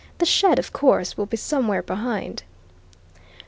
The shed, of course, will be somewhere behind."